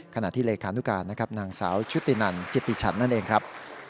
ขณะที่เลขานุการนะครับนางสาวชุตินันจิติฉันนั่นเองครับ